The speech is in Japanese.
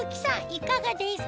いかがですか？